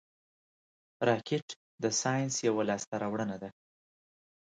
راکټ د ساینس یوه لاسته راوړنه ده